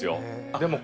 でも。